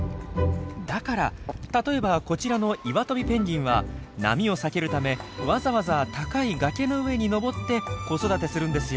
だから例えばこちらのイワトビペンギンは波を避けるためわざわざ高い崖の上に登って子育てするんですよ。